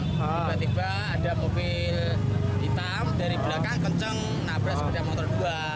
tiba tiba ada mobil hitam dari belakang kenceng nabrak sepeda motor dua